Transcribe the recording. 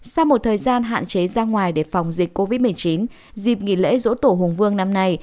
sau một thời gian hạn chế ra ngoài để phòng dịch covid một mươi chín dịp nghỉ lễ dỗ tổ hùng vương năm nay